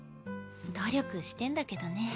努力してんだけどね